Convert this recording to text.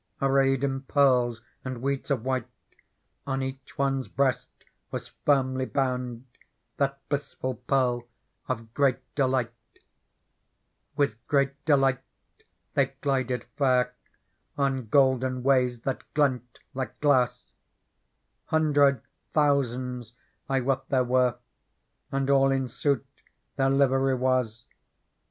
Arrayed in pearls and weeds of white ; On each one's breast was fi rmljL bpund That blissful pearTpTgreat delight With great delight they glided fair On golden ways that glent like glass ; Hundred thousands I wot there were. And all in suit their livery was.